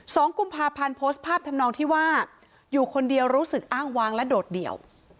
สองกุมภาพันธ์โพสต์ภาพทำนองที่ว่าอยู่คนเดียวรู้สึกอ้างวางและโดดเดี่ยว